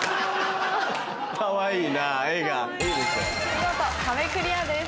見事壁クリアです。